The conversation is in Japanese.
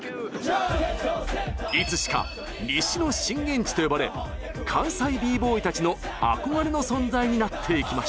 いつしか西の震源地と呼ばれ関西Ｂ−ＢＯＹたちの憧れの存在になっていきました。